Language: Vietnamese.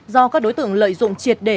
do các đối tượng lợi dụng triệt để